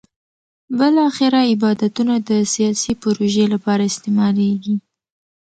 بالاخره عبادتونه د سیاسي پروژې لپاره استعمالېږي.